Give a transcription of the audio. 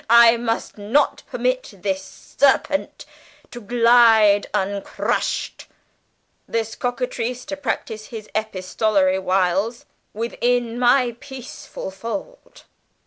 I must not permit this serpent to glide uncrushed, this cockatrice to practise his epistolary wiles, within my peaceful fold.